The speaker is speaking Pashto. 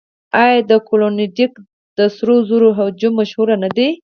آیا د کلونډیک د سرو زرو هجوم مشهور نه دی؟